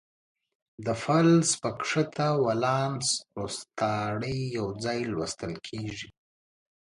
د فلز په ښکته ولانس روستاړي یو ځای لوستل کیږي.